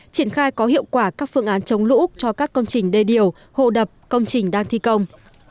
triển khai có hiệu quả các phương án chống lũ cho các công trình đê điều hồ đập công trình đang thi công